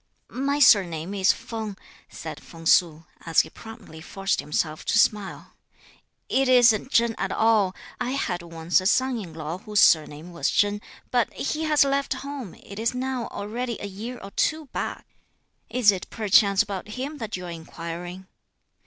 "My surname is Feng," said Feng Su, as he promptly forced himself to smile; "It is'nt Chen at all: I had once a son in law whose surname was Chen, but he has left home, it is now already a year or two back. Is it perchance about him that you are inquiring?"